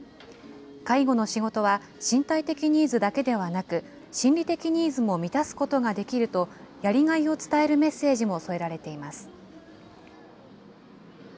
介護の仕事は身体的ニーズだけではなく、心理的ニーズも満たすことができると、やりがいを伝えるメッセージも添えられています。